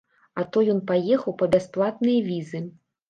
А то ён паехаў па бясплатныя візы.